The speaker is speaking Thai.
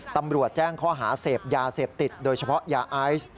ตำรวจแจ้งข้อหาเสพยาเสพติดโดยเฉพาะยาไอซ์